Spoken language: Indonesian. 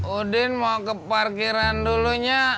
udin mau ke parkiran dulunya